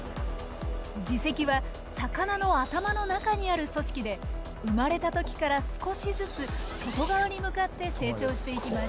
耳石は魚の頭の中にある組織で生まれた時から少しずつ外側に向かって成長していきます。